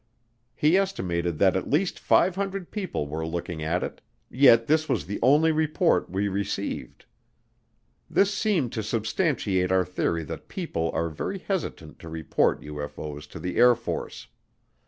He estimated that at least 500 people were looking at it, yet his was the only report we received. This seemed to substantiate our theory that people are very hesitant to report UFO's to the Air Force.